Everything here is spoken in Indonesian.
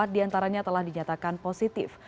empat diantaranya telah dinyatakan positif